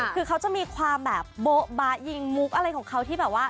คือเขาจะมีความแบบโบ๊ะบะยิงมุกอะไรของเขาที่แบบว่า